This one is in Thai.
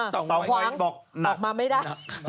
ต่อง้อยบอกหนักบอกมาไม่ได้